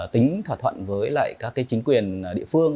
tính thỏa thuận với lại các chính quyền địa phương